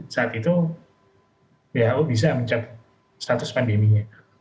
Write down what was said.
saat itu who bisa mencapai status pandeminya